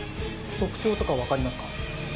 特徴とか分かりますか？